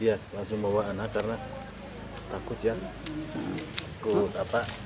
iya langsung bawa anak karena takut ya